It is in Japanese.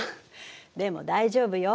でも大丈夫よ。